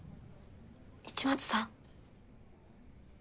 市松さん？